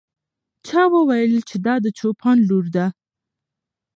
چا وویل چې دا د چوپان لور ده.